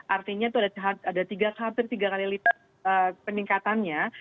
artinya itu ada hampir tiga kali lipat peningkatannya